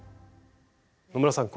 野村さん